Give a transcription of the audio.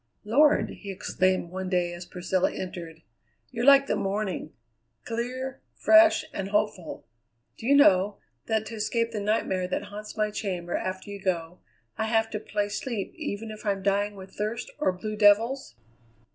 "Lord!" he exclaimed one day as Priscilla entered; "you're like the morning: clear, fresh, and hopeful. Do you know, that to escape the nightmare that haunts my chamber after you go, I have to play sleep even if I'm dying with thirst or blue devils?